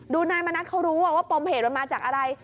ดูนายมะนัดเขารู้ว่าว่าปรมเหตุมันมาจากอะไร